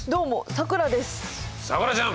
さくらちゃん。